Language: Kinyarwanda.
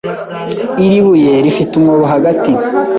Iri buye rifite umwobo hagati.